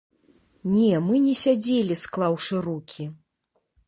Не, мы не сядзелі склаўшы рукі.